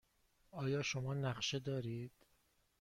آیا شما نقشه دارید؟